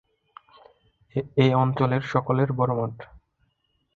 এ অঞ্চলের সকলের বড় মাঠ।